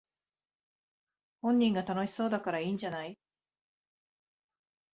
本人が楽しそうだからいいんじゃない